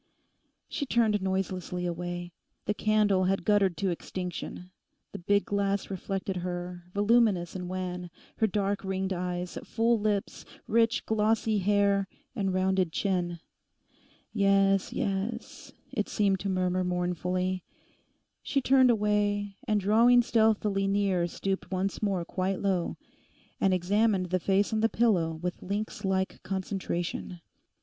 She turned noiselessly away. The candle had guttered to extinction. The big glass reflected her, voluminous and wan, her dark ringed eyes, full lips, rich, glossy hair, and rounded chin. 'Yes, yes,' it seemed to murmur mournfully. She turned away, and drawing stealthily near stooped once more quite low, and examined the face on the pillow with lynx like concentration.